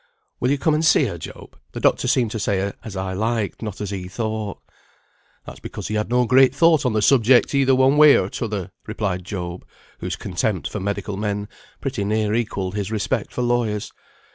"Will you come and see her, Job? The doctor seemed to say as I liked, not as he thought." "That's because he had no great thought on the subject, either one way or t'other," replied Job, whose contempt for medical men pretty nearly equalled his respect for lawyers.